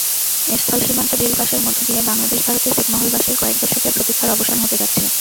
স্থলসীমান্ত bill পাসের মধ্য দিয়ে বাংলাদেশ-ভারতের ছিটমহলবাসীর কয়েক দশকের প্রতীক্ষার অবসান হতে যাচ্ছে।